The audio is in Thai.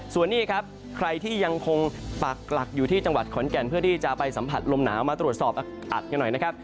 ส่วนนี้ครับใครที่ยังคงปากหลักอยู่ที่จังหวัดขอนแก่นเพื่อที่จะไปสัมผัสลมหนาวมาตรวจสอบอัดกันหน่อยนะครับ